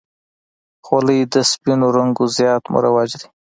خولۍ د سپینو رنګو زیات مروج دی.